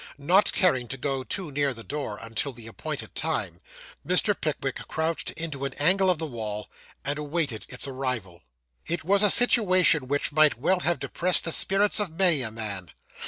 Not caring to go too near the door, until the appointed time, Mr. Pickwick crouched into an angle of the wall, and awaited its arrival. It was a situation which might well have depressed the spirits of many a man.